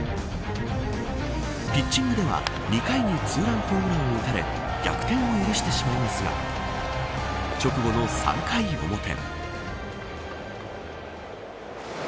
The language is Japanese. ピッチングでは２回にツーランホームランを打たれ逆転を許してしまいますが直後の３回表。